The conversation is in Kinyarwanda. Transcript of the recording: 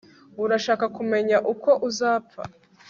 urashaka kumenya uko uzapfa